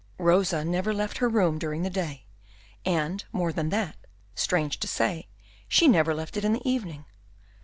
Rosa never left her room during the day, and, more than that, strange to say, she never left it in the evening.